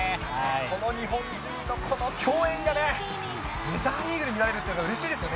この日本人のこの共演がね、メジャーリーグで見られるっていうのはうれしいですよね。